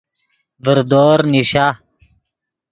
ڤردور نیشا